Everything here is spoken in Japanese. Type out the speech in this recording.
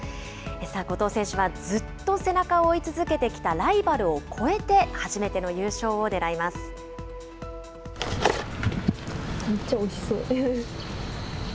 後藤選手はずっと背中を追い続けてきたライバルを超えて、初めてめっちゃおいしそう。